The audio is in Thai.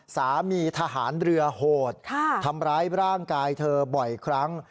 สามีทหารเรือโหดทำร้ายร่างกายเธอบ่อยครั้ง